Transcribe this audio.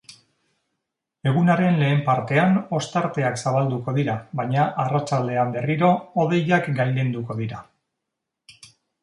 Egunaren lehen partean, ostarteak zabalduko dira baina arratsaldean berriro hodeiak gailenduko dira.